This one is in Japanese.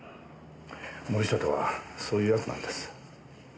森下とはそういう奴なんです。